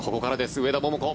上田桃子。